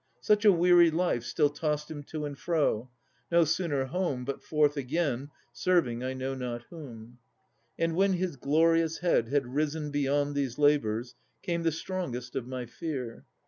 Such a weary life Still tossed him to and fro, no sooner home But forth again, serving I know not whom. And when his glorious head had risen beyond These labours, came the strongest of my fear.